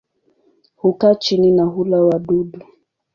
Hukaa chini na hula wadudu.